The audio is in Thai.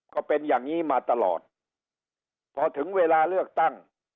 ก็เป็นอย่างนี้มาตลอดพอถึงเวลาเลือกตั้ง